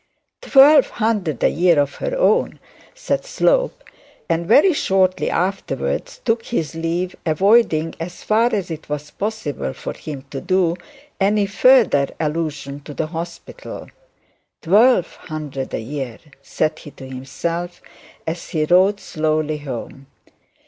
'Twelve hundred a year of her own!' said Slope, and very shortly afterwards took his leave, avoiding, as far as it was possible for him to do, any further allusion to the hospital. Twelve hundred a year, said he to himself, as he rode slowly home.